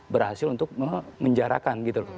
berhasil untuk menjarakan gitu loh